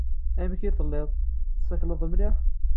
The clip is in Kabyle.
Amek telliḍ? Tessakleḍ mliḥ?